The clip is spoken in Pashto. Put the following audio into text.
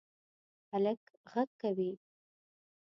هلک غږ کوی